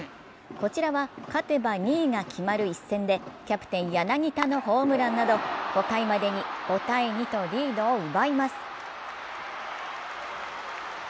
こちらは勝てば２位が決まる一戦でキャプテン・柳田のホームランなど５回までに５−２とリードを奪います。